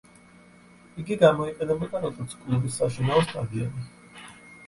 იგი გამოიყენებოდა როგორც კლუბის საშინაო სტადიონი.